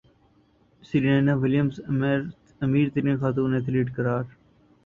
Serena Williams امیر ترین خاتون ایتھلیٹ قرار